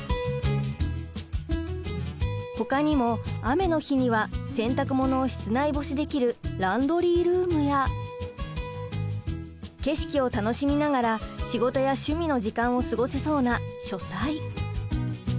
ほかにも雨の日には洗濯物を室内干しできるランドリールームや景色を楽しみながら仕事や趣味の時間を過ごせそうな書斎。